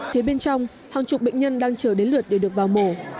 phía bên trong hàng chục bệnh nhân đang chờ đến lượt để được vào mổ